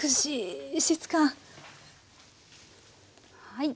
はい。